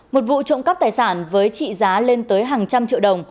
một vụ trộm cắp tài sản với trị giá lên tới hàng trăm triệu đồng